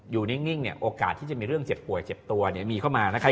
อยู่นิ่งโอกาสที่จะมีเรื่องเจ็บป่วยเจ็บตัวมีเข้ามา